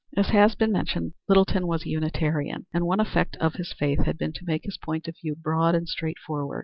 As has been mentioned, Littleton was a Unitarian, and one effect of his faith had been to make his point of view broad and straightforward.